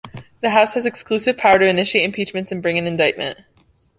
The House has exclusive power to initiate impeachments and bring an indictment.